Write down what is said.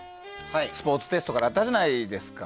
スポーツテストやったじゃないですか